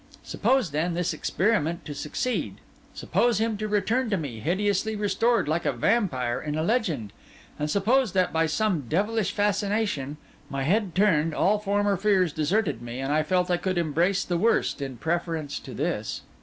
Suppose, then, this experiment to succeed; suppose him to return to me, hideously restored, like a vampire in a legend; and suppose that, by some devilish fascination ... My head turned; all former fears deserted me: and I felt I could embrace the worst in preference to this.